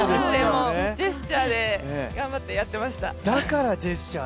ジェスチャーで頑張ってやってました。